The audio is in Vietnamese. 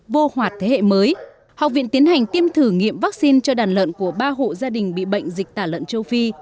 vô hoạt thế hệ mới học viện tiến hành tiêm thử nghiệm vaccine cho đàn lợn của ba hộ gia đình bị bệnh dịch tả lợn châu phi